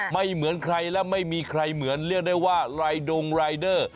เหมือนใครและไม่มีใครเหมือนเรียกได้ว่ารายดงรายเดอร์